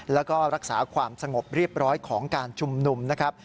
แล้วก็รักษาความสงบเรียบร้อยของการชุมนุมนะครับ